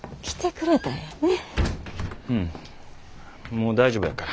もう大丈夫やから。